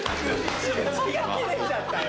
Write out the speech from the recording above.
切れちゃったよ！